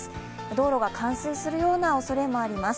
道路が冠水するようなおそれもあります。